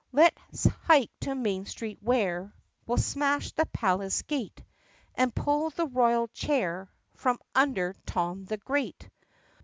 "Let 's hike to Main Street where We 'll smash the palace gate And pull the royal chair From under Tom the Great!"